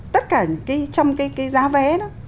tất cả trong cái giá vé đó